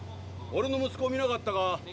オレの息子見なかったか？